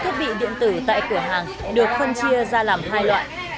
thiết bị điện tử tại cửa hàng được phân chia ra làm hai loại